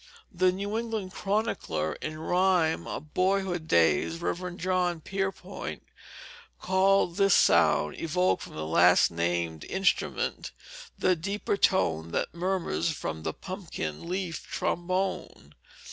The New England chronicler in rhyme of boyhood days, Rev. John Pierpont, called this sound evoked from the last named instrument "the deeper tone that murmurs from the pumpkin leaf trombone."